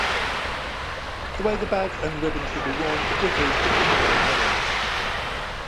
The way the badge and ribbon should be worn differs between men and women.